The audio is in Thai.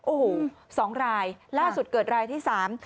โอ้โหสองรายล่าสุดเกิดรายที่สาม